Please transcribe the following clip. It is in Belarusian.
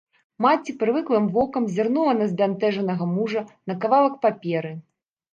Маці прывыклым вокам зірнула на збянтэжанага мужа, на кавалак паперы.